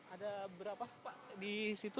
ada berapa pak di situ